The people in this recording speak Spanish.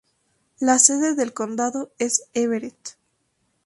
La sede del condado es Everett.